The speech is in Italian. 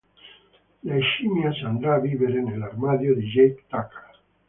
La scimmia se andrà a vivere nell'armadio di Jake Tucker.